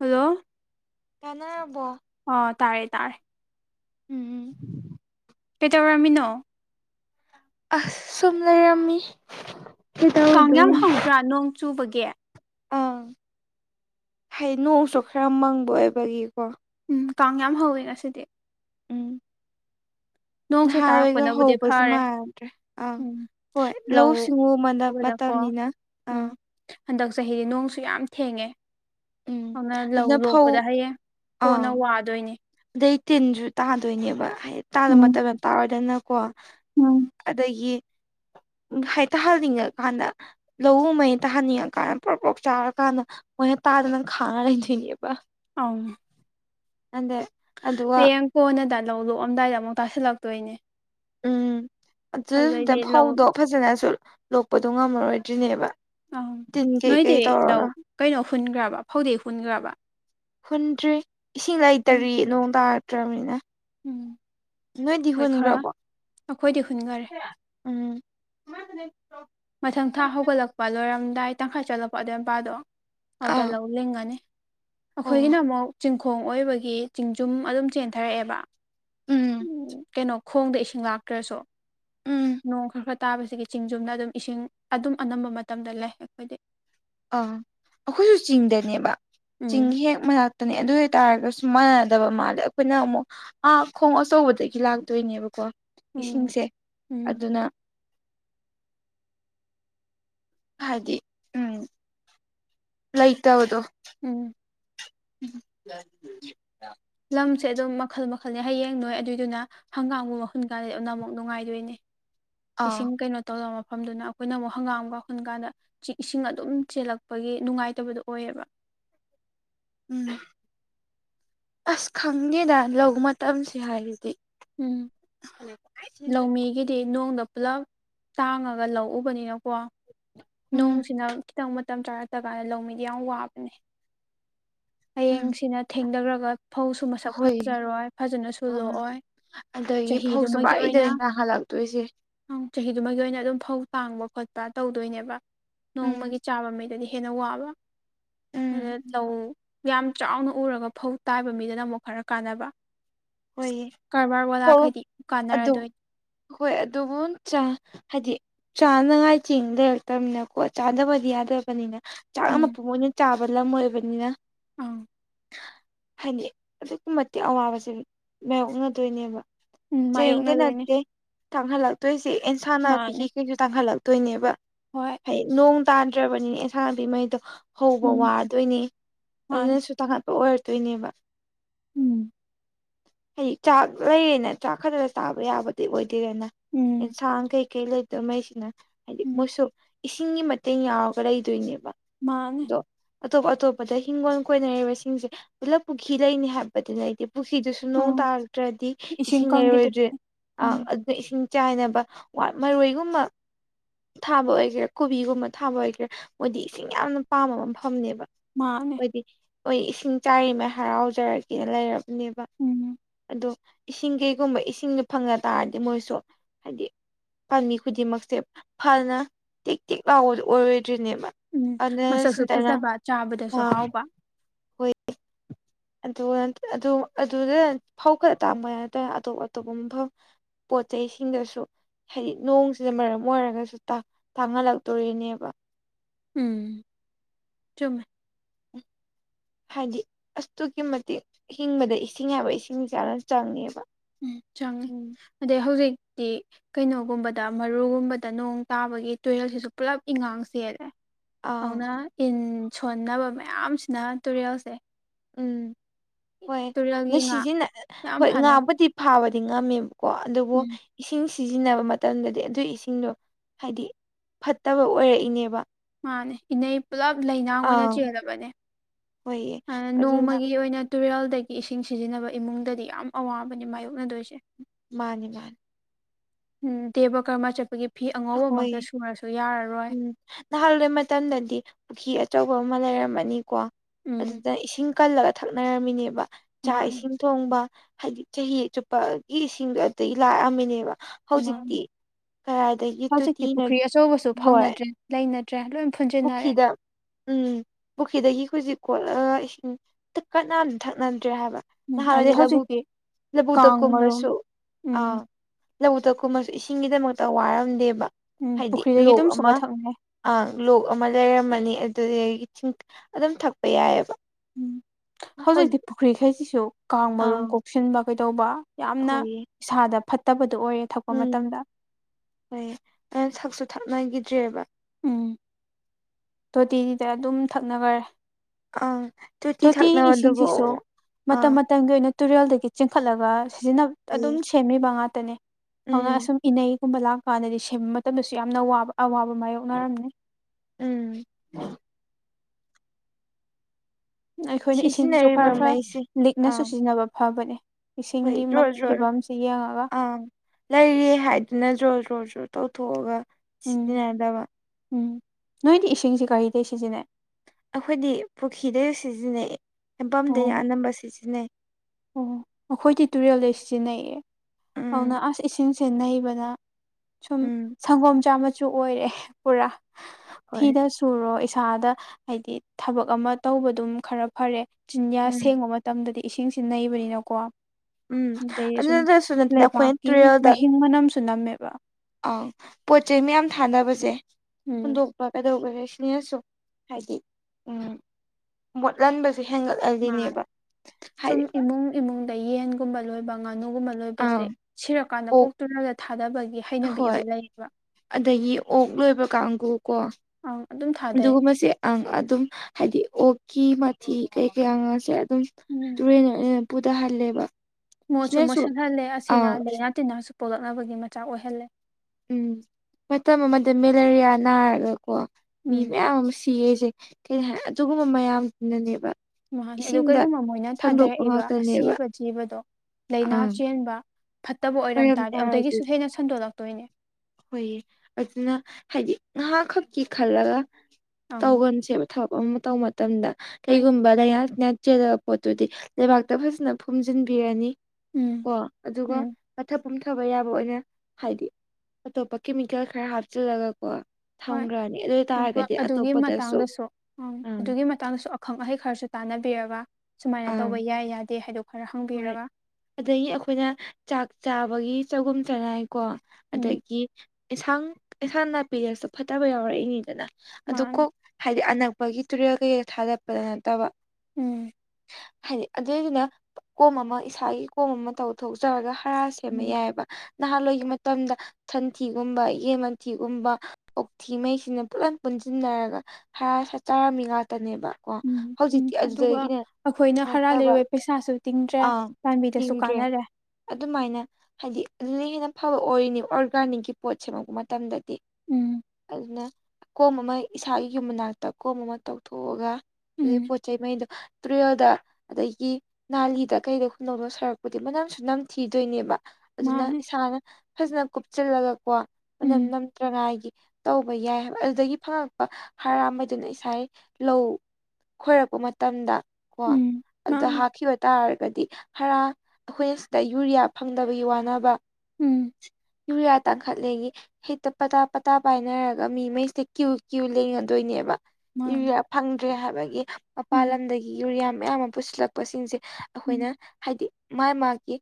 hello ꯀꯅꯥꯔꯕꯣ ꯑꯣ ꯇꯥꯔꯦ ꯇꯥꯔꯦ ꯎꯝꯝ ꯀꯩꯗꯧ ꯔꯝꯃꯤꯅꯣ ꯑꯁꯣꯝ ꯂꯩꯔꯦꯔꯝꯃꯤ ꯀꯥꯡ ꯌꯥꯝ ꯍꯧꯗ꯭ꯔꯥ ꯅꯣꯡ ꯆꯨꯕꯒꯦ ꯑꯪ ꯍꯥꯏ ꯅꯣꯡꯁꯨ ꯈꯔ ꯃꯪꯕ ꯑꯣꯏꯕꯒꯤꯀꯣ ꯎꯝ ꯀꯥꯡ ꯌꯥꯝ ꯍꯧꯋꯦ ꯉꯁꯤꯗꯤ ꯎꯝ ꯅꯣꯡꯁꯦ ꯅꯍꯥꯟꯒ ꯇꯥꯔꯛꯄꯅꯕꯨꯗꯤ ꯍꯧꯕꯁꯦ ꯐꯔꯦ ꯃꯥꯟꯅꯗ꯭ꯔꯦ ꯑꯪ ꯎꯝ ꯍꯣꯏ ꯂꯧꯎ ꯂꯧ ꯁꯤꯡꯎꯕꯗ ꯎꯕꯗꯀꯣ ꯇꯝꯅꯤꯅ ꯑꯥ ꯎꯝ ꯍꯟꯗꯛ ꯆꯍꯤꯗꯤ ꯅꯣꯡꯁꯨ ꯌꯥꯝ ꯊꯦꯡꯉꯦ ꯎꯝ ꯑꯗꯨꯅ ꯂꯧ ꯐꯧ ꯂꯣꯛꯄꯗ ꯍꯌꯦꯡ ꯑꯥ ꯀꯣꯟꯅ ꯋꯥꯗꯣꯏꯅꯦ ꯑꯗꯩ ꯇꯤꯟꯁꯨ ꯇꯥꯗꯣꯏꯅꯦꯕ ꯍꯥꯏꯗꯤ ꯇꯥꯗꯕ ꯎꯝ ꯃꯇꯝꯗ ꯇꯥꯔꯣꯏꯗꯅ ꯀꯣ ꯎꯝ ꯑꯗꯒꯤ [unintelligible] ꯎ ꯍꯩꯇꯥꯍꯟꯅꯤꯡꯉꯀꯥꯟꯗ ꯂꯧꯎ ꯃꯩ ꯇꯥꯍꯟꯅꯤꯡꯉꯀꯥꯟꯗ ꯄ꯭ꯔꯣꯛ ꯄꯣꯛ ꯆꯥꯔ ꯀꯥꯟꯗ ꯃꯣꯏ ꯇꯥꯗꯅꯪ ꯈꯥꯅ ꯂꯩꯗꯅꯤꯕ ꯑ ꯑꯗꯦ ꯍꯌꯦꯡ ꯀꯣꯟꯅꯗ ꯂꯧ ꯂꯣꯛꯑꯝꯗꯥꯏꯗ ꯑꯃꯨꯛ ꯇꯥꯁꯤꯜꯂꯛꯇꯣꯏꯅꯦ ꯎꯝ ꯑꯗꯨꯗꯨꯗ ꯑꯗꯨꯗꯩꯗꯤ ꯂꯧ ꯐꯧꯗꯣ ꯐꯖꯅꯁꯨ ꯂꯣꯛꯄꯗꯣ ꯉꯝꯃꯔꯣꯏꯗ꯭ꯔꯤꯅꯦꯕ ꯑ ꯇꯤꯟ ꯀꯩꯀꯩ ꯅꯣꯏꯗꯤ ꯂꯧ ꯇꯧꯔꯒ ꯀꯩꯅꯣ ꯍꯨꯟꯈ꯭ꯔꯕ ꯐꯧꯗꯤ ꯍꯨꯟꯈ꯭ꯔꯕ ꯍꯨꯟꯗ꯭ꯔꯤ ꯏꯁꯤꯡ ꯂꯩꯇꯔꯤ ꯅꯣꯡ ꯇꯥꯔꯛꯇ꯭ꯔꯕꯅꯤꯅ ꯎꯝ ꯅꯣꯏ ꯗꯤ ꯍꯣꯏ ꯈꯔ ꯍꯨꯟꯈ꯭ꯔꯕ ꯑꯩꯈꯣꯏꯗꯤ ꯍꯨꯟꯈꯔꯦ ꯎꯝ ꯑꯗꯥꯏ ꯇꯪꯈꯥꯏ ꯆꯠꯂꯛꯄ ꯑꯗꯨꯏ ꯃꯄꯥꯗꯣ ꯑꯗꯨꯗ ꯑꯥ ꯂꯧ ꯂꯤꯡꯉꯅꯤ ꯑꯣ ꯑꯩꯈꯣꯏꯒꯤꯅ ꯑꯃꯨꯛ ꯆꯤꯡ ꯈꯣꯡ ꯑꯣꯏꯕꯒꯤ ꯆꯤꯡꯖꯨꯝ ꯑꯗꯨꯝ ꯆꯦꯟꯊꯔꯛꯑꯦꯕ ꯎꯝ ꯀꯩꯅꯣ ꯈꯣꯡꯗ ꯏꯁꯤꯡ ꯂꯥꯛꯇ꯭ꯔꯁꯨ ꯎꯝ ꯅꯣꯡ ꯈꯔ ꯈꯔ ꯇꯥꯕꯁꯤꯒꯤ ꯆꯤꯡꯖꯨꯝꯅ ꯑꯗꯨꯝ ꯏꯁꯤꯡ ꯑꯗꯨꯝ ꯑꯅꯝꯕ ꯃꯇꯝꯗ ꯂꯩ ꯑꯩꯈꯣꯏꯗꯤ ꯑꯥ ꯑꯩꯈꯣꯏꯁꯨ ꯆꯤꯡꯗꯅꯦꯕ ꯆꯤꯡ ꯎꯝ ꯍꯦꯛ ꯃꯅꯥ ꯅꯦ ꯑꯗꯨ ꯑꯣꯏꯇꯥꯔꯒꯁꯨ ꯃꯥꯟꯅꯗꯕ ꯃꯥꯜꯂꯦ ꯑꯩꯈꯣꯏꯅ ꯑꯃꯨꯛ ꯑꯥ ꯈꯣꯡ ꯑꯆꯧꯕꯗꯒꯤ ꯂꯥꯛꯇꯣꯏꯅꯦꯕꯀꯣ ꯎꯝ ꯏꯁꯤꯡꯁꯦ ꯎꯝ ꯑꯗꯨꯅ ꯍꯥꯏꯗꯤ ꯎꯝ ꯂꯩꯣꯏꯇꯕꯗꯣ ꯎꯝ [unintelligible] ꯂꯝꯁꯦ ꯑꯗꯨꯝ ꯃꯈꯜ ꯃꯈꯜꯅꯤ ꯍꯌꯦꯡ ꯅꯣꯏ ꯑꯗꯨꯏꯗꯨꯅ ꯍꯪꯒꯥꯝꯕꯨ ꯃꯈꯨꯟ ꯀꯥꯟꯗ ꯑꯗꯨꯅꯃꯨꯛ ꯅꯨꯡꯉꯥꯏꯗꯣꯏꯅꯦ ꯑꯥ ꯏꯁꯤꯡ ꯀꯩꯅꯣ ꯇꯧꯗꯕ ꯃꯐꯝꯗꯨꯅ ꯑꯩꯈꯣꯏꯅ ꯑꯃꯨꯛ ꯍꯪꯒꯥꯝ ꯀꯥꯎꯈꯨꯟ ꯀꯥꯟꯗ ꯏꯁꯤꯡ ꯑꯗꯨꯝ ꯆꯦꯜꯂꯛꯄꯒꯤ ꯅꯨꯡꯉꯥꯏꯇꯕꯗꯣ ꯑꯣꯏꯑꯕ [unintelligible] ꯎꯝ ꯑꯁ ꯈꯪꯉꯦꯗ ꯂ ꯃꯇꯝꯁꯦ ꯍꯥꯏꯔꯗꯤ ꯎꯝ ꯂꯧꯃꯤꯒꯤꯗꯤ ꯅꯣꯡꯗ ꯄꯨꯂꯞ ꯇꯥꯡꯉꯒ ꯂꯧ ꯎꯕꯅꯤꯅꯀꯣ ꯎꯝ ꯅꯣꯡꯁꯤꯅ ꯈꯤꯇꯪ ꯃꯇꯝ ꯆꯥꯔꯛꯇ ꯀꯥꯟꯗ ꯂꯧꯃꯤꯗꯤ ꯌꯥꯝ ꯋꯥꯕꯅꯦ ꯎꯝ ꯍꯌꯦꯡꯁꯤꯅ ꯊꯦꯡꯊꯈ꯭ꯔꯒ ꯐꯧꯁꯨ ꯃꯁꯛ ꯍꯣꯏ ꯐꯖꯔꯣꯏ ꯐꯖꯅꯁꯨ ꯑꯥ ꯂꯣꯛꯑꯣꯏ ꯑꯗꯒꯤ ꯐꯧꯁꯨ ꯆꯍꯤꯗꯨꯃꯒꯤ ꯑꯣꯏꯅ ꯕꯥꯔꯤꯗꯅꯤꯅ ꯍꯜꯂꯛꯇꯣꯏꯁꯦ ꯎꯪ ꯆꯍꯤꯗꯨꯃ ꯑꯣꯏꯅ ꯑꯗꯨꯝ ꯐꯧ ꯇꯥꯡꯕ ꯈꯣꯠꯄ ꯇꯧꯗꯣꯏꯅꯦꯕ ꯎꯝ ꯅꯣꯡꯃꯒꯤ ꯆꯥꯕꯉꯩꯗꯗꯤ ꯍꯦꯟꯅ ꯋꯥꯕ ꯎꯝ ꯑꯗ ꯂꯧ ꯌꯥꯝ ꯆꯥꯎꯅ ꯎꯔꯒ ꯐꯧ ꯇꯥꯏꯕ ꯃꯤꯗꯅ ꯑꯃꯨꯛ ꯈꯔ ꯀꯥꯟꯅꯕ ꯑꯣꯏ ꯀꯔꯕꯥꯔ ꯍꯣꯏ ꯋꯥꯂꯥꯈꯩꯗꯤ ꯑꯗꯨ ꯀꯥꯟꯅꯔꯗꯣꯏꯅꯤ ꯍꯣꯏ ꯑꯗꯨꯕꯨ ꯍꯥꯏꯗꯤ ꯆꯥꯅꯉꯥꯏ ꯆꯤꯡ ꯂꯩꯔꯛꯇꯅꯤꯅꯀꯣ ꯆꯥꯗꯕꯗꯤ ꯌꯥꯗꯕꯅꯤꯅ ꯆꯥꯛ ꯑꯃ ꯄꯨꯡ ꯑꯣꯏꯅ ꯆꯥꯕ ꯂ ꯃꯣꯏꯕꯅꯤꯅ ꯎꯝ ꯍꯥꯏꯗꯤ ꯑꯗꯨꯛꯀꯤ ꯃꯇꯤꯛ ꯑꯋꯥꯕꯁꯤꯦ ꯃꯥꯏꯌꯣꯛꯅꯗꯣꯏꯅꯦꯕ ꯎꯝ ꯆ‌ꯦꯡꯒꯤ ꯃꯥꯌꯣꯛꯅꯗꯣꯏꯅꯦ ꯅꯠꯇꯦ ꯇꯥꯡꯍꯜꯂꯛꯇꯣꯏꯁꯦ ꯑꯦꯟꯁꯥ ꯅꯥꯄꯤꯛ ꯃꯥꯅꯦ ꯀꯩ ꯀꯩꯁꯨ ꯇꯥꯡꯍꯜꯂꯛꯇꯣꯏꯅꯦꯕ ꯍꯣꯏ ꯍꯥꯏꯗꯤ ꯅꯣꯡ ꯇꯥꯗ꯭ꯔꯕꯅꯤꯅꯦ ꯑꯦꯟꯁꯥꯟꯅꯅꯥꯄꯤꯉꯩꯗꯣ ꯍꯧꯕ ꯎꯝ ꯋꯥꯗꯣꯏꯅꯦ ꯃꯥꯅꯦ ꯑꯗꯨꯅꯁꯨ ꯇꯥꯡꯍ ꯑꯣꯏꯔꯛꯇꯣꯏꯅꯦꯕ ꯎꯝ ꯍꯥꯏꯗꯤ ꯆꯥꯛ ꯂꯩꯔꯦꯅ ꯆꯥꯛ ꯈꯛꯇꯅ ꯆꯥꯕ ꯌꯥꯕꯗꯤ ꯑꯣꯏꯗꯦꯗꯅ ꯎꯝ ꯑꯦꯟꯁꯥꯡ ꯀꯩꯩ ꯀꯩ ꯂꯩꯗꯣꯏꯉꯩꯁꯤꯅ ꯍꯥꯏꯗꯤ ꯎꯝ ꯃꯣꯏꯁꯨ ꯏꯁꯤꯡꯒꯤ ꯃꯇꯦꯡ ꯌꯥꯎꯔꯒ ꯂꯩꯗꯣꯏꯅꯦꯕ ꯃꯥꯡ ꯑꯗꯣ ꯑꯇꯣꯞ ꯑꯇꯣꯞꯄꯗ ꯍꯤꯡꯒꯣꯜ ꯀꯣꯏꯅꯔꯤꯕꯁꯤꯡꯁꯦ ꯄꯨꯂꯞ ꯄꯨꯈ꯭ꯔꯤ ꯂꯩꯅꯤ ꯍꯥꯏꯕꯗꯨꯅ ꯑꯩꯗꯤ ꯄꯨꯈ꯭ꯔꯤꯗꯨꯁꯨ ꯅꯣꯡ ꯎꯝ ꯇꯥꯔꯛꯇ꯭ꯔꯗꯤ ꯏꯁꯤꯡ ꯂꯩꯔꯣꯏꯗ꯭ꯔꯦ ꯑꯪ ꯎꯝ ꯑꯗꯨꯅ ꯏꯁꯤꯡ ꯆꯥꯏꯅꯕ ꯃꯔꯣꯏꯒꯨꯝꯕ ꯊꯥꯕ ꯑꯣꯏꯒꯦꯔꯥ ꯀꯣꯕꯤꯒꯨꯝꯕ ꯊꯥꯕ ꯑꯣꯏꯒꯦꯔꯥ ꯃꯣꯏꯗꯤ ꯏꯁꯤꯡ ꯌꯥꯝꯅ ꯄꯥꯝꯃꯕ ꯃꯐꯝꯅꯦꯕ ꯃꯥꯅꯦ ꯑꯣꯏꯣꯏꯗꯤ ꯍꯣꯏ ꯏꯁꯤꯡ ꯆꯥꯏꯔꯤꯉꯩ ꯍꯔꯥꯎꯖꯔꯒꯦꯅ ꯂꯩꯔꯕꯅꯦꯕ ꯎꯝ ꯑꯗ ꯏꯁꯤꯡ ꯀꯩꯒꯨꯝꯕ ꯏꯁꯤꯡꯅ ꯐꯪꯉ ꯇꯥꯔꯗꯤ ꯃꯣꯏꯁꯨ ꯍꯥꯏꯗꯤ ꯄꯥꯝꯕꯤ ꯈꯨꯗꯤꯡꯃꯛꯁꯦ ꯐꯅ ꯇꯦꯛ ꯇꯦꯛ ꯂꯥꯎꯕꯗ ꯑꯣꯏꯔꯣꯏ ꯇ꯭ꯔꯤꯅꯦꯃ ꯎꯝ ꯑꯗꯨꯅ ꯃꯁꯛꯁꯨ ꯁꯟꯇꯔꯅ ꯐꯖꯕ ꯆꯥꯕꯗꯁꯨ ꯑ ꯍꯥꯎꯕ ꯍꯣꯏ ꯑꯗꯨꯗ ꯐꯧ ꯈꯔ ꯇꯥꯕ ꯌꯥꯇꯥꯔꯦ ꯑꯇꯣꯞ ꯑꯇꯣꯞꯄ ꯃꯐꯝ ꯄꯣꯠ ꯆꯩꯩꯁꯤꯡꯗꯁꯨ ꯍꯥꯏꯗꯤ ꯅꯣꯡꯁꯤꯅ ꯃꯔꯝ ꯑꯣꯏꯔꯒꯁꯨ ꯇꯥ ꯇꯥꯡꯍꯜꯂꯛꯇꯣꯔꯤꯅꯦꯕ ꯎꯝ ꯆꯃꯦ ꯍꯥꯏꯗꯤ ꯑꯗꯨꯛꯀꯤ ꯃꯇꯤꯛ ꯍꯤꯡꯕꯗ ꯏꯁꯤꯡ ꯍꯥꯏꯕ ꯏꯁꯤꯡꯁꯤ ꯌꯥꯝꯅ ꯆꯪꯉꯦꯕ ꯎꯝ ꯆꯪꯉꯤ ꯎꯝ ꯑꯗꯩ ꯍꯧꯖꯤꯛꯇꯤ ꯀꯩꯅꯣꯒꯨꯝꯕꯗ ꯃꯔꯨꯒꯨꯝꯕꯗ ꯅꯣꯡ ꯇꯥꯕꯒꯤ ꯇꯨꯔꯦꯜꯁꯤꯁꯨ ꯄꯨꯜꯂꯞ ꯏꯪꯉꯥꯡ ꯆꯦꯜꯂꯦ ꯑꯥ ꯑꯗꯨꯅ ꯏꯟ ꯁꯣꯟꯕ ꯃꯌꯥꯝꯁꯤꯅ ꯇꯨꯔꯦꯜꯁꯦ ꯎꯝ ꯍꯣꯏ ꯇꯨꯔꯦꯜꯒꯤ ꯑ ꯉꯥ ꯁꯤꯁꯤꯅ ꯌꯥꯝ ꯍꯣꯏ ꯐꯥꯅꯩ ꯉꯥꯕꯨꯗꯤ ꯐꯥꯕꯗꯤ ꯉꯝꯃꯦꯕ ꯀꯣ ꯑꯗꯨꯕꯨ ꯎꯝ ꯏꯁꯤꯡ ꯁꯤꯖꯤꯟꯅꯕ ꯃꯇꯝꯗꯗꯤ ꯑꯗꯨꯒꯤ ꯏꯁꯤꯡꯗꯣ ꯍꯥꯏꯗꯤ ꯐꯠꯇꯕ ꯑꯣꯏꯔꯛꯏꯅꯦꯕ ꯃꯥꯅꯦ ꯏꯅꯩ ꯄꯨꯜꯂꯞ ꯂꯩꯅꯥꯡ ꯑꯣꯏꯅ ꯑꯥ ꯆꯦꯜꯂꯕꯅꯦ ꯍꯣꯏꯌꯦ ꯑꯗꯨꯅ ꯅꯣꯡꯃꯒꯤ ꯑꯣꯏꯅ ꯇꯨꯔꯦꯜ ꯗꯒꯤ ꯏꯁꯤꯡ ꯁꯤꯖꯤꯟꯅꯕ ꯏꯃꯨꯡꯗꯗꯤ ꯌꯥꯝ ꯑꯋꯥꯕꯅꯦ ꯃꯥꯥꯏꯌꯣꯛꯅꯗꯣꯏꯁꯦ ꯃꯥꯅꯤ ꯃꯥꯅꯤ ꯎꯝ ꯗꯦꯕ ꯀꯔꯃ ꯆꯠꯄꯒꯤ ꯐꯤ ꯑꯉꯧꯕꯃꯛꯇ ꯍꯣꯏ ꯁꯨꯔꯁꯨ ꯌꯥꯔꯔꯣꯏ ꯎꯝ ꯅꯍꯥꯟꯋꯥꯏ ꯃꯇꯝꯗꯗꯤ ꯄꯨꯈ꯭ꯔꯤ ꯑꯆꯧꯕ ꯑꯃ ꯂꯩꯔꯝꯃꯅꯤꯀꯣ ꯎꯝ ꯑꯗꯨꯗꯅ ꯏꯁꯤꯡ ꯀꯜꯂꯒ ꯊꯛꯅꯔꯝꯃꯤꯅꯦꯕ ꯆꯥꯛ ꯃꯥꯅꯤ ꯏꯁꯤꯡ ꯊꯣꯡꯕ ꯍꯥꯏꯗꯤ ꯆꯍꯤ ꯆꯨꯞꯄꯒꯤ ꯏꯁꯤꯡꯗꯣ ꯑꯗꯨꯗꯒꯤ ꯂꯥꯛꯑꯝꯃꯤꯅꯦꯕ ꯃꯥꯅꯤ ꯍꯧꯖꯤꯛꯇꯤ ꯀ ꯍꯧꯖꯤꯛꯇꯤ ꯄꯨꯈ꯭ꯔꯤ ꯑꯆꯧꯕꯁꯨ ꯐꯪꯅꯗ꯭ꯔꯦ ꯂꯩꯅꯗ꯭ꯔꯦ ꯂꯣꯏ ꯐꯨꯟꯖꯤꯟꯅꯔꯦ ꯄꯨꯈ꯭ꯔꯤꯗ ꯎꯝ ꯄꯨꯈ꯭ꯔꯤꯗꯒꯤ ꯍꯧꯈꯣꯏꯖꯤꯛ ꯀꯣꯠꯂꯒ ꯏꯁꯤꯡ ꯀ ꯟꯅ ꯊꯛꯅ ꯭ꯔꯦ ꯍꯥꯏꯕ ꯎꯝ ꯑꯗꯩ ꯅꯍꯥꯟꯔꯗꯤ ꯂꯧꯕꯨ ꯍꯧꯖꯤꯛꯇꯤ ꯂꯧꯕꯨꯛꯇ ꯀꯥꯡ ꯃꯔꯨꯝ ꯀꯨꯝꯕꯁꯨ ꯑꯥ ꯎꯝ ꯂꯧ ꯆꯛꯈꯨꯝꯕꯁꯨ ꯏꯁꯤꯡꯒꯤꯗꯃꯛꯇ ꯋꯥꯔꯝꯗꯦꯕ ꯎꯝ ꯍꯥꯏꯗꯤ ꯄꯨꯈ꯭ꯔꯤꯗꯒꯤ ꯂꯣꯛ ꯑꯗꯨꯝ ꯁꯨꯕ ꯑꯃ ꯊꯛꯅꯩ ꯂꯣꯛ ꯑꯃ ꯂꯩꯔꯝꯃꯅꯤ ꯑꯗꯨꯗꯒꯤ ꯑꯗꯨꯝ ꯊꯛꯄ ꯌꯥꯏꯑꯕ ꯎꯝ ꯍꯧꯖꯤꯛꯇꯤ ꯍꯧꯖꯤꯛ ꯄꯨꯈ꯭ꯔꯤꯈꯩꯁꯤꯁꯨ ꯀꯥꯡ ꯃꯔꯨꯝ ꯑꯥ ꯀꯣꯛꯁꯤꯟꯕ ꯀꯩꯗꯧꯕ ꯌꯥꯝꯅ ꯍꯣꯏꯌꯦ ꯏꯁꯥꯗ ꯐꯠꯇꯕ ꯎꯝ ꯍꯣꯏ ꯑ ꯁꯛꯁꯨ ꯊꯛꯅꯈꯤꯗ꯭ꯔꯦꯕ ꯎꯝ ꯇꯣꯇꯤꯁꯤꯗ ꯑꯗꯨꯝ ꯊꯛꯅꯈꯔꯦ ꯑꯥ ꯇꯣꯇꯤ ꯏꯁꯤꯡꯁꯤꯁꯨ ꯃꯇꯝ ꯑꯥ ꯃꯇꯝꯒꯤ ꯑꯣꯏꯅ ꯇꯨꯔꯦꯜꯗꯒꯤ ꯆꯤꯡꯈꯠꯂꯒ ꯁꯤꯖꯤꯟꯅ ꯑꯗꯨꯝ ꯐꯩꯌꯦ ꯁꯦꯝꯃꯤꯕ ꯉꯥꯛꯇꯅꯦ ꯍꯧꯅ ꯎꯝ ꯑꯁꯨꯝ ꯏꯅꯩ ꯀꯒꯨꯝꯕ ꯂꯥꯛ ꯀꯥꯟꯗꯗꯤ ꯁꯦꯝꯕ ꯃꯇꯝꯗꯁꯨ ꯌꯥꯝꯅ ꯑꯋꯥꯕ ꯑꯋꯥꯕ ꯃꯥꯏꯌꯣꯛꯅꯔꯝꯅꯤ ꯎꯝ ꯑꯩꯈꯣꯏꯅ ꯏꯁꯤꯡꯁꯨ ꯁꯤꯖꯤꯟꯅꯔꯤꯕ ꯈꯔ ꯈꯔ ꯃꯩꯁꯦ ꯂꯤꯛꯅꯁꯨ ꯑꯥ ꯁꯤꯖꯤꯟꯅꯕ ꯐꯕꯅꯦ ꯍꯣꯏ ꯏꯁꯤꯡꯒꯤ ꯗ꯭ꯔꯣꯖꯣ ꯐꯤꯕꯝꯁꯤ ꯌꯦꯡꯉꯒ ꯑꯥ ꯂꯩꯌꯦꯦ ꯍꯥꯏꯗꯨꯅꯣꯣꯣ ꯇꯧꯊꯣꯛꯑꯒ ꯎꯝ ꯁꯤꯖꯤꯟꯅꯗꯕ ꯎꯝ ꯅꯣꯏꯗꯤ ꯏꯁꯤꯡꯁꯤ ꯀꯔꯤꯗꯒꯤ ꯁꯤꯖꯤꯟꯅꯩ ꯑꯩꯈꯣꯏꯗꯤ ꯄꯨꯈ꯭ꯔꯤꯗꯩꯁꯨ ꯁꯤꯖꯤꯟꯅꯩ ꯑꯦꯝꯄꯝꯗꯒꯤꯩ ꯑꯣ ꯑꯅꯝꯕ ꯁꯤꯖꯤꯟꯅꯩ ꯑꯣ ꯃꯈꯣꯏꯗꯤ ꯇꯨꯔꯦꯜꯗꯩ ꯁꯤꯖꯤꯟꯅꯩꯌꯦ ꯑꯗꯨꯅ ꯎꯝ ꯑꯁ ꯏꯁꯤꯡꯁꯦ ꯅꯩꯕꯅ ꯁꯨꯝ ꯎꯝ ꯁꯪꯒꯣꯝ ꯆꯥꯃꯁꯨꯨ ꯑꯣꯏꯔꯦ ꯄꯨꯔꯥ ꯍꯣꯏ ꯐꯤꯗ ꯁꯨꯔꯣ ꯏꯁꯥꯗ ꯍꯥꯏꯗꯤ ꯊꯕꯛ ꯑꯃ ꯇꯧꯕ ꯑꯗꯨꯝ ꯈꯔ ꯐꯔꯦ ꯆꯤꯟꯌꯥ ꯎꯝ ꯁꯦꯡꯕ ꯃꯇꯝꯗꯗꯤ ꯏꯁꯤꯡꯁꯤ ꯅꯩꯕꯅꯤꯅꯀꯣ ꯎꯝ ꯑꯗꯩ ꯁꯨꯝ ꯑꯗꯨꯗꯁꯨ ꯅꯠꯇꯅ ꯑꯩꯈꯣꯏꯅ ꯂꯩꯕꯥꯛꯀꯤ ꯇꯨꯔꯦꯜꯗ ꯃꯍꯍꯤꯡ ꯃꯅꯝꯁꯨ ꯅꯝꯃꯦꯕ ꯑꯪ ꯄꯣꯠ ꯆꯩ ꯃꯌꯥꯝ ꯊꯥꯅꯕꯁꯦ ꯎꯝ ꯍꯨꯟꯗꯣꯛꯄ ꯀꯩꯗꯧꯕ ꯁꯤꯅꯁꯨ ꯍꯥꯏꯗꯤ ꯎ ꯃꯣꯠꯍꯟꯕꯁꯨ ꯁ ꯍꯦꯟꯒꯠꯍꯜꯂꯤꯅꯦꯕ ꯃꯥꯅꯦ ꯁꯨꯝ ꯍꯥꯏꯗꯤ ꯏꯃꯨꯡ ꯏꯃꯨꯡꯗ ꯌꯦꯟꯒꯨꯝꯕ ꯂꯣꯏꯕ ꯉꯥꯅꯨꯒꯨꯝꯕ ꯂꯣꯏꯕꯁꯦ ꯑꯪ ꯁꯤꯔꯀꯥꯟꯗ ꯑꯣꯛ ꯀꯣꯛꯇꯨꯔꯒ ꯊꯥꯗꯕꯒꯤ ꯍꯩꯅꯕꯤ ꯍꯣꯏ ꯑꯃ ꯂꯩꯌꯦꯕ ꯑꯗꯒꯤ ꯑꯣꯛ ꯂꯣꯏꯕ ꯀꯥꯡꯕꯨꯨ ꯀꯣ ꯑꯪ ꯑꯗꯨꯝ ꯊꯥꯗꯩ ꯑꯗꯨꯒꯨꯝꯕꯁꯦ ꯑꯗꯨꯝ ꯍꯥꯏꯗꯤ ꯑꯣꯛꯀꯤ ꯃꯊꯤ ꯀꯩꯀꯩ ꯉꯥꯁꯦ ꯑꯗꯨꯝ ꯎꯝ ꯇꯨꯔꯦꯟ ꯄꯨꯊꯍꯜꯂꯦꯕ ꯃꯣꯠꯁꯨ ꯁꯤꯅꯁꯨ ꯃꯣꯠꯁꯤꯟꯍꯜꯂꯦ ꯑꯥ ꯑꯁꯤꯅ ꯂꯩꯥꯏꯅꯥ ꯇꯤꯟꯅꯥꯁꯨ ꯄꯣꯛꯂꯛꯅꯕꯒꯤ ꯃꯆꯥꯛ ꯑꯣꯏꯍꯜꯂꯦ ꯎꯝ ꯃꯇꯝ ꯑꯃꯗ ꯃꯦꯂꯦꯔꯤꯌꯥ ꯅꯥꯔꯒꯀꯣ ꯃꯤ ꯎꯝ ꯃꯌꯥꯝ ꯑꯃ ꯁꯤꯌꯦꯁꯦ ꯀꯔꯤ ꯍꯥꯏ ꯑꯗꯨꯒꯨꯝꯕ ꯃꯌꯥꯝꯗꯨꯅꯅꯦꯕ ꯃꯥꯅꯦ ꯑꯗꯨ ꯏꯁꯤꯡꯗ ꯀꯔꯤꯒꯨꯝꯕ ꯃꯣꯏꯅ ꯁꯟꯗꯣꯛꯄ ꯊꯥꯗꯔꯛꯏꯕ ꯉꯥꯛꯇꯅꯦꯕ ꯑꯁꯤꯕ ꯖꯤꯕꯗꯣ ꯂꯅꯥ ꯆꯦꯟꯕ ꯐꯠꯇꯕ ꯐ ꯑꯣꯏꯔꯝ ꯇꯥꯔꯗꯤ ꯑꯗꯨꯗꯒꯤꯁꯨ ꯇꯥꯔ ꯍꯦꯟꯅ ꯁꯟꯗꯣꯛꯂꯛꯇꯣꯏꯅꯦ ꯍꯣꯏꯌꯦ ꯑꯗꯨꯅ ꯍꯥꯏꯗꯤ ꯅꯍꯥꯛ ꯈꯛꯀꯤ ꯈꯜꯂꯒ ꯑꯪ ꯇꯧꯒꯟꯁꯦꯕ ꯊꯕꯛ ꯑꯃ ꯇꯧꯕ ꯃꯇꯝꯗ ꯍꯣꯏ ꯀꯩꯒꯨꯝꯕ ꯂꯩꯍꯠ ꯆꯦꯜꯂꯒ ꯄꯣꯠꯇꯨꯗꯤ ꯂꯩꯕꯥꯛꯇ ꯐꯖꯅ ꯐꯨꯝꯖꯤꯟꯕꯤꯔꯅꯤ ꯎꯝ ꯀꯣ ꯑꯗꯨꯒ ꯎꯝ ꯃꯊꯛ ꯄꯨꯝꯊꯕ ꯌꯥꯕ ꯑꯣꯏꯅ ꯍꯥꯏꯗꯤ ꯑꯇꯣꯞꯄ ꯀꯦꯃꯤꯀꯦꯜ ꯈꯔ ꯍꯥꯞꯆꯤꯜꯂꯒꯀꯣ ꯍꯣꯏ ꯊ꯭ꯔꯥꯅꯤ ꯑꯗꯨꯒ ꯑꯗꯨꯒꯤ ꯃꯇꯥꯡꯗꯁꯨ ꯎꯝ ꯑꯪ ꯑꯗꯨꯒꯤ ꯃꯇꯥꯡꯗꯁꯨ ꯑꯈꯪ ꯑꯍꯩ ꯈꯔꯁꯨ ꯇꯥꯟꯅꯕꯤꯔꯒ ꯁꯨꯃꯥꯏꯅ ꯑꯪ ꯇꯧꯕ ꯌꯥꯏ ꯌꯥꯗꯦ ꯍꯥꯏꯗꯣ ꯈꯔ ꯍꯣꯏ ꯍꯪꯕꯤꯔꯒ ꯑꯗꯒꯤ ꯑꯩꯈꯣꯏꯅ ꯆꯥꯛ ꯆꯥꯕꯒꯤ ꯆꯒꯨꯝ ꯆꯅꯥꯏꯀꯣ ꯎꯝ ꯑꯗꯒꯤ ꯏꯟꯁꯥꯡ ꯑꯦꯟꯁꯥꯡ ꯅꯥꯄꯤꯔꯁꯨ ꯐꯠꯇꯕ ꯌꯥꯎꯔꯛꯏꯅꯤꯗꯅ ꯑꯗꯨ ꯃꯥꯅꯦ ꯀꯣꯛ ꯍꯥꯏꯗꯤ ꯑꯅꯛ ꯃꯥꯒꯤ ꯇꯨꯔꯦꯜ ꯀꯩꯀꯩ ꯊꯥꯗꯠꯄꯗ ꯅꯠꯇꯕ ꯎꯝ ꯍꯥꯏꯗꯤ ꯑꯗꯨꯏꯗꯨꯅ ꯀꯣꯝ ꯑꯃ ꯏꯁꯥꯒꯤ ꯀꯣꯝ ꯑꯃ ꯇꯧꯊꯣꯛꯆꯔꯒ ꯈꯔ ꯁꯦꯝꯕ ꯎꯝ ꯌꯥꯏꯑꯕ ꯅꯍꯥꯟꯋꯥꯏꯒꯤ ꯃꯇꯝꯗ ꯁꯟꯊꯤꯒꯨꯝꯕ ꯌꯦꯟ ꯃꯟꯊꯤꯒꯨꯝꯕ ꯑꯣꯛꯊꯤꯉꯩꯁꯤꯅ ꯄꯨꯂꯞ ꯍꯟꯖꯤꯟꯅꯔꯒ ꯍꯥꯔ ꯆꯥꯔꯝꯃꯤ ꯉꯥꯛꯇꯅꯦꯕ ꯀꯣ ꯎꯝ ꯎꯝ ꯍꯧꯖꯤꯛꯇꯤ ꯑꯗꯨꯒ ꯑꯗꯨꯗꯒꯤꯅꯦ ꯑꯩꯈꯣꯏꯅ ꯍꯥꯔꯥ ꯅꯠꯇꯕ ꯂꯩꯔꯤꯕ ꯄꯩꯁꯥ ꯑꯥ ꯇꯤꯡꯗ꯭ꯔꯦ ꯑꯗꯨꯃꯥꯏꯅ ꯍꯥꯏꯗꯤ ꯑꯗꯨ ꯍꯦꯟꯅ ꯑꯐꯕ ꯑꯣꯏꯅꯤ ꯑꯣꯔꯒꯥꯅꯤꯛꯀꯤ ꯄꯣꯠ ꯁꯦꯝꯃꯛꯄ ꯃꯇꯝꯗꯗꯤ ꯎꯝ ꯑꯗꯨꯅ ꯀꯣꯝ ꯑꯃ ꯏꯁꯥꯒꯤ ꯌꯨꯝ ꯃꯅꯥꯛꯇ ꯀꯣꯝ ꯑꯃ ꯇꯧꯊꯣꯛꯑꯒ ꯎꯝ ꯑꯗꯨꯗꯩ ꯄꯣꯠ ꯆꯩ ꯃꯍꯩꯗꯣ ꯇꯨꯔꯦꯜꯗ ꯑꯗꯒꯤ ꯅꯥꯂꯤꯗ ꯀꯩꯗ ꯍꯨꯂꯧꯗ ꯁꯥꯔꯛꯄꯨꯗꯤ ꯃꯅꯝꯁꯨ ꯅꯝ ꯊꯤꯗꯣꯏꯅꯦꯕ ꯑꯗꯨꯅ ꯃꯥꯅꯦ ꯏꯁꯥꯅ ꯐꯖꯅ ꯀꯨꯞꯁꯤꯜꯂꯒꯀꯣ ꯃꯅꯝ ꯎꯝ ꯅꯝꯇꯉꯥꯏꯒꯤ ꯇꯧꯕ ꯌꯥꯏ ꯍꯥꯏꯕ ꯑꯗꯨꯗꯒꯤ ꯐꯪꯉꯛꯄ ꯍꯥꯔꯝꯕꯩꯗꯨꯅ ꯏꯁꯥ ꯂꯧ ꯈꯣꯏꯔꯛꯄ ꯃꯇꯝꯗ ꯀꯣ ꯎꯝ ꯑꯗꯨꯗ ꯃꯥꯅꯦ ꯍꯥꯞꯈꯤꯕ ꯇꯥꯔꯒꯗꯤ ꯍꯥꯔ ꯑꯩꯈꯣꯏ ꯑꯁꯤꯗ ꯌꯨꯔꯤꯌꯥ ꯐꯪꯗꯕꯒꯤ ꯋꯥꯅꯕ ꯎꯝ ꯌꯨꯔꯤꯌꯥ ꯇꯥꯡꯈꯠꯂꯦꯒꯤ ꯍꯦꯛꯇ ꯄꯇꯥ ꯄꯇꯥ ꯄꯥꯏꯅꯔꯒ ꯃꯤꯉꯩꯁꯤꯦ ꯀ꯭ꯌꯨ ꯀ꯭ꯌꯨ ꯂꯦꯡꯅꯗꯣꯏꯅꯦꯕ ꯃꯥꯅꯦ ꯌꯨꯔꯤꯌꯥ ꯐꯪꯗ꯭ꯔꯦ ꯍꯥꯏꯕꯒꯤ ꯃꯄꯜ ꯎꯝ ꯂꯝꯗꯒꯤ ꯌꯨꯔꯤꯌꯥ ꯃꯌꯥꯝ ꯑꯃ ꯄꯨꯁꯤꯜꯂꯛꯄꯁꯤꯡꯁꯦ ꯎꯝ ꯑꯩꯈꯣꯏꯅ ꯍꯥꯏꯗꯤ ꯃꯥ ꯃꯥꯒꯤ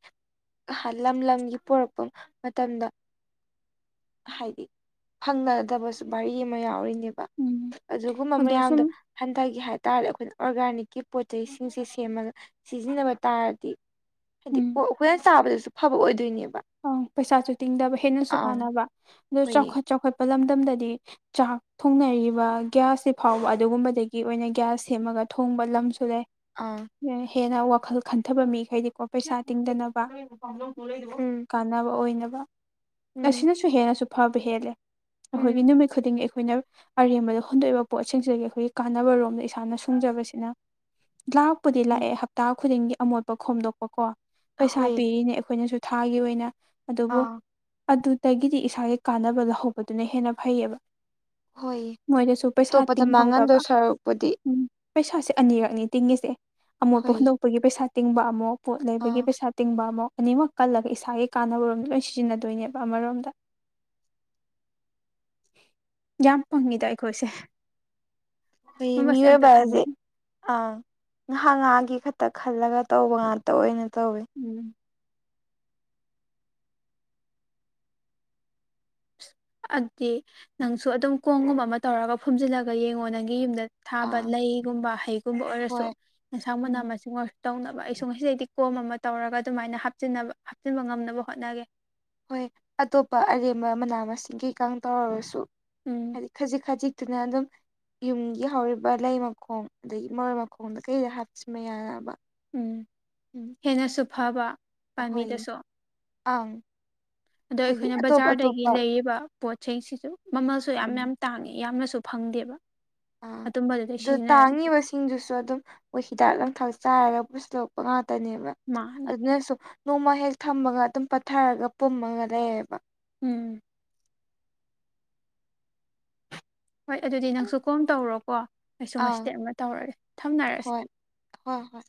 ꯂꯝ ꯂꯝꯒꯤ ꯄꯣꯔꯛꯄ ꯃꯇꯝꯗ ꯍꯥꯏꯗꯤ ꯐꯪꯅꯗꯕꯁꯨ ꯔꯤ ꯑꯃ ꯌꯥꯎꯔꯤꯅꯦꯕ ꯎꯝ ꯑꯗꯨꯒꯨꯝꯕ ꯑꯗꯣ ꯃꯌꯥꯝꯗꯣ ꯁꯨꯝ ꯍꯟꯊꯒꯤ ꯍꯥꯏ ꯇꯔꯗꯤ ꯑꯩꯈꯣꯏꯅ ꯑꯣꯔꯒꯥꯅꯤꯛꯀꯤ ꯄꯣꯠꯩ ꯆꯩꯁꯤꯡꯁꯦ ꯁꯦꯝꯃꯒ ꯁꯤꯖꯤꯟꯅꯕ ꯇꯥꯔꯗꯤ ꯍꯥꯏꯗꯤ ꯎꯝ ꯄꯣꯠ ꯑꯩꯈꯣꯏꯅ ꯆꯥꯕꯗꯁꯨ ꯐꯕ ꯑꯣꯏꯗꯣꯏꯅꯦꯕ ꯄꯩꯁꯥꯁꯨ ꯇꯤꯡꯗꯕ ꯍꯦꯟꯅꯁꯨ ꯑꯥ ꯀꯥꯟꯅꯕ ꯑꯗꯨ ꯍꯣꯏꯌꯦ ꯆꯥꯎꯈꯠ ꯆꯥꯎꯈꯠ ꯂꯝꯗꯝꯗꯗꯤ ꯆꯥꯛ ꯊꯣꯡꯅꯔꯤꯕ ꯒꯤ꯭ꯌꯥꯁꯁꯤꯦ ꯐꯥꯎꯕ ꯑꯗꯨꯒꯨꯝꯕꯗꯒꯤ ꯑꯣꯏꯅ ꯒꯤ꯭ꯌꯥꯁ ꯁꯦꯝꯃꯒ ꯊꯣꯡꯕ ꯂꯝꯁꯨ ꯂꯩ ꯑꯥ ꯍꯦꯟꯅ ꯋꯥꯈꯜ ꯈꯟꯊꯕ ꯃꯤꯈꯩꯗꯤꯀꯣ ꯄꯩꯁꯥ ꯇꯤꯡꯗꯅꯕ ꯎꯝ ꯀꯅꯕ ꯑꯣꯏꯅꯕ ꯎꯝ ꯑꯁꯤꯅꯁꯨ ꯍꯦꯟꯅꯁꯨ ꯐꯕ ꯍꯦꯜꯂꯦ ꯎꯝ ꯑꯩꯈꯣꯏꯒꯤ ꯅꯨꯃꯤꯠ ꯈꯨꯗꯤꯡꯒꯤ ꯑꯩꯈꯣꯏꯅ ꯑꯔꯦꯝꯕꯗ ꯍꯨꯟꯗꯣꯛꯏꯕ ꯄꯣꯠꯁꯤꯡꯁꯤꯗꯒꯤ ꯑꯩꯈꯣꯏꯒꯤ ꯀꯥꯟꯅꯕꯔꯣꯝꯗ ꯏꯁꯥꯅ ꯁꯨꯡꯖꯕꯁꯤꯅ ꯂꯥꯛꯄꯨꯗꯤ ꯎꯝ ꯂꯥꯛꯑꯦ ꯍꯞꯇꯥ ꯈꯨꯗꯤꯡꯒꯤ ꯑꯃꯣꯠꯄ ꯈꯣꯝꯗꯣꯛꯄꯀꯣ ꯄꯩꯁꯥ ꯑꯩꯈꯣꯏ ꯄꯤꯔꯤꯅꯦ ꯑꯩꯈꯣꯏꯅꯁꯨ ꯊꯥꯒꯤ ꯑꯣꯏꯅ ꯑꯗꯨꯕꯨ ꯑꯥ ꯑꯗꯨꯗꯒꯤꯗꯤ ꯏꯁꯥꯒꯤ ꯀꯥꯟꯅꯕ ꯂꯧꯍꯧꯕꯗꯨꯅ ꯍꯦꯟꯅ ꯐꯩꯌꯦꯕ ꯍꯣꯏ ꯃꯣꯏꯗꯁꯨ ꯄꯩꯁꯥ ꯑꯇꯣꯞꯄꯗ ꯇꯤꯡꯍꯧꯗꯕ ꯃꯥꯡꯍꯟꯗꯣꯏ ꯁꯔꯨꯛꯄꯨꯗꯤ ꯎꯝ ꯄꯩꯁꯥꯁꯦ ꯑꯅꯤꯔꯛꯅꯤ ꯇꯤꯡꯉꯤꯁꯦ ꯑꯃꯣꯠꯄ ꯍꯣꯏ ꯍꯨꯟꯗꯣꯛꯄꯒꯤ ꯄꯩꯁꯥ ꯇꯤꯡꯕ ꯑꯃꯨꯛ ꯄꯣꯠ ꯑꯥ ꯂꯩꯕꯒꯤ ꯄꯩꯁꯥ ꯇꯤꯡꯕ ꯑꯃ ꯑꯅꯤꯃꯛ ꯀꯜꯂꯒ ꯏꯁꯥꯒꯤ ꯀꯥꯅꯕꯔꯣꯝꯗ ꯂꯣꯏ ꯁꯤꯖꯤꯟꯅꯗꯣꯏꯅꯦꯕ ꯑꯃꯔꯣꯝꯗ ꯌꯥꯝ ꯐꯪꯉꯤꯗ ꯑꯩꯈꯣꯏꯁꯦ ꯍꯣꯏ ꯁꯨꯝꯕꯁꯦ ꯑꯝꯇ ꯈꯟꯗꯦ ꯃꯤꯑꯣꯏꯕꯁꯦ ꯑ ꯉꯍꯥꯛ ꯉꯥꯏꯍꯥꯒꯤ ꯈꯛꯇ ꯈꯜꯂꯒ ꯇꯧꯕ ꯉꯥꯛꯇ ꯑꯣꯏꯅ ꯇꯧꯋꯦ ꯎꯝ ꯑꯗꯨꯗꯤ ꯅꯪꯁꯨ ꯑꯗꯨꯝ ꯀꯣꯡꯒꯨꯝꯕ ꯑꯃ ꯇꯧꯔꯒ ꯐꯨꯝꯝꯖꯤꯜꯂꯒ ꯌꯦꯡꯉꯣ ꯅꯪꯒꯤ ꯌꯨꯝꯗ ꯊꯥꯕ ꯑꯥ ꯂꯩꯒꯨꯝꯕ ꯍꯩꯒꯨꯝꯕ ꯑꯣꯏꯔꯁꯨ ꯍꯣꯏ ꯑꯦꯟꯁꯥꯡ ꯃꯅꯥ ꯎꯝ ꯃꯁꯤꯡ ꯑꯣꯏꯔ ꯇꯧꯅꯕ ꯑꯩꯁꯨ ꯉꯁꯤꯗꯩꯗꯤ ꯀꯣꯝ ꯑꯃ ꯇꯧꯔꯒ ꯑꯗꯨꯃꯥꯏꯅ ꯍꯥꯕ ꯍꯥꯞꯆꯤꯟꯕ ꯉꯝꯅꯕ ꯍꯣꯠꯅꯒꯦ ꯍꯣꯏ ꯑꯇꯣꯞꯄ ꯑꯔꯦꯝꯕ ꯃꯅꯥ ꯃꯁꯤꯡ ꯀꯩꯀ ꯇꯧꯔꯔꯁꯨ ꯎꯝ ꯍꯥꯏꯗꯤ ꯈꯖꯤꯛ ꯈꯖꯤꯛ ꯄ ꯑꯗꯨ ꯌꯨꯝꯒꯤ ꯍꯧꯔꯤꯕ ꯂꯩ ꯃꯈꯣꯡ ꯑꯗꯒꯤ ꯃꯔꯣꯏ ꯃꯈꯣꯡꯗ ꯀꯩꯗ ꯍꯥꯞꯆꯤꯟꯕ ꯌꯥꯅꯕ ꯎꯝ ꯎꯝ ꯍꯦꯟꯅꯁꯨ ꯐꯕ ꯑꯩꯈꯣꯏ ꯄꯥꯝꯕꯤꯗꯁꯨ ꯑꯪ ꯑꯗꯣ ꯍꯥꯏꯗꯤ ꯑꯩꯈꯣꯏꯅ ꯑꯇꯣꯞ ꯕꯖꯥꯔꯗꯒꯤ ꯑꯇꯣꯞꯄ ꯂꯩꯔꯤꯕ ꯄꯣꯠꯁꯤꯡꯁꯤꯁꯨ ꯃꯃꯜꯁꯨ ꯌꯥꯝ ꯎꯝ ꯌꯥꯝ ꯇꯥꯡꯉꯦ ꯌꯥꯝꯅ ꯁꯨ ꯐꯪꯗꯦꯕ ꯑꯥ ꯑꯗꯨꯝꯕꯗꯨꯗꯩ ꯑꯗꯨ ꯁꯤꯖꯤꯟꯅꯔꯗꯤ ꯇꯥꯡꯉꯤꯕꯁꯤꯡꯗꯨꯁꯨ ꯑꯗꯨꯝ ꯃꯣꯏ ꯍꯤꯗꯥꯛ ꯂ ꯊꯆ ꯆꯥꯏꯔꯒ ꯄꯨꯁꯤꯂꯣꯛꯄ ꯉꯥꯛꯇꯅꯦꯕ ꯃꯥꯡꯉꯦ ꯑꯗꯨꯅꯁꯨ ꯅꯣꯡꯃ ꯍꯦꯛ ꯊꯝꯃꯒ ꯑꯗꯨꯝ ꯄꯠꯊꯔꯒ ꯄꯨꯝꯃꯒ ꯂꯩꯌꯦꯕ ꯎꯝ ꯍꯣꯏ ꯑꯗꯨꯗꯤ ꯅꯪꯁꯨ ꯀꯣꯝ ꯇꯧꯔꯣꯀꯣ ꯑꯩꯁꯨ ꯑꯪ ꯉꯇꯦꯠ ꯑꯃ ꯇꯧꯔꯒꯦ ꯊꯝꯅꯔꯁꯤ ꯍꯣꯏ ꯍꯣꯏ ꯍꯣꯏ